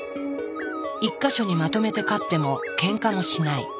一か所にまとめて飼ってもケンカもしない。